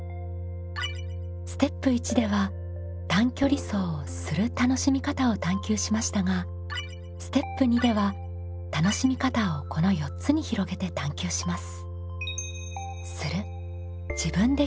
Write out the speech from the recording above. ステップ１では短距離走を「する」楽しみ方を探究しましたがステップ２では楽しみ方をこの４つに広げて探究します。